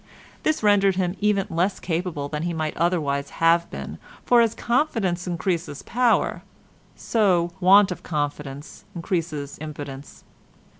This rendered him even less capable than he might otherwise have been, for as confidence increases power, so want of confidence increases impotence.